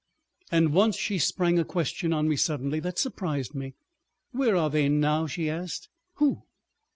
And once she sprang a question on me suddenly that surprised me. "Where are they now?" she asked. "Who?"